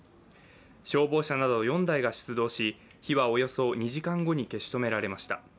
消防車など４台が出動し火はおよそ２時間後に消し止められました。